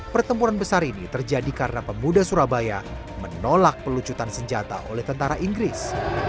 pertempuran besar ini terjadi karena pemuda surabaya menolak pelucutan senjata oleh tentara inggris